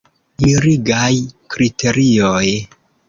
Mirigaj kriterioj.